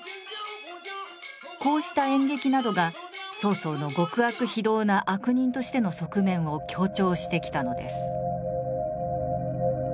こうした演劇などが曹操の極悪非道な悪人としての側面を強調してきたのです。